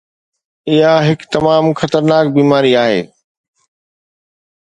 اها هڪ تمام خطرناڪ بيماري آهي.